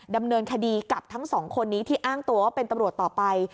ดำเนินคดีกับทั้งสองคนนี้ที่อ้างตัวว่าเป็นตำรวจต่อไป